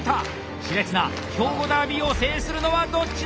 し烈な兵庫ダービーを制するのはどっちだ？